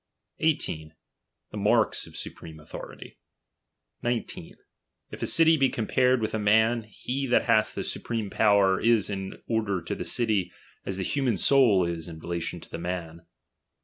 IS. The marks of supreme authority. 19. If a city be compared with a man, he that hath tlie supreme power is in order to the city, as the human soul is in relation to the man.